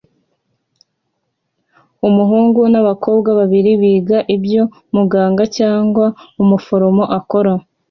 Umuhungu nabakobwa babiri biga ibyo umuganga cyangwa umuforomo akora